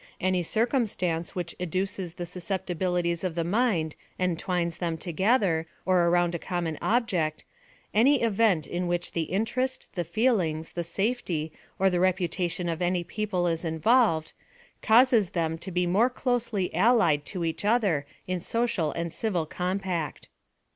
Any circum stance, which educes the susceptibilities of the mind and twines them together, or around a common ob ject—any event in which the interest, the feelings, 54 PHILOSOPHir OP THE the safety, or the reputation of any people is invol ved, causes them to be more closely allied to each other in social and civil compact.